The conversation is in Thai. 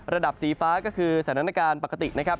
สีฟ้าก็คือสถานการณ์ปกตินะครับ